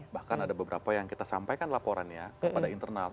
bahkan ada beberapa yang kita sampaikan laporannya kepada internal